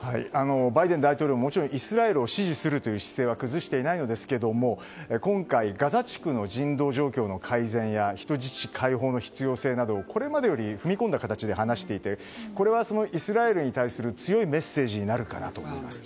バイデン大統領ももちろんイスラエルを支持するという姿勢は崩していませんが今回ガザ地区の人道状況の改善や人質解放の必要性などをこれまでより踏み込んだ形で話していてこれは、イスラエルに対する強いメッセージになるかなと思います。